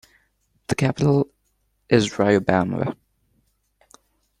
The capital is Riobamba.